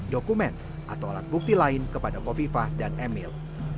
dokumen atau alat bukti lain kepada kofifah dan emil